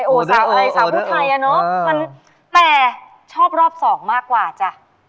โอสาวพูดไทยน่ะมันแต่ชอบรอบสองมากกว่าจ๊ะ